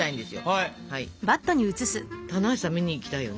棚橋さん見に行きたいよね。